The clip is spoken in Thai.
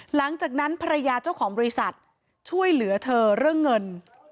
หลังจากนั้นภรรยาเจ้าของบริษัทช่วยเหลือเธอเรื่องเงิน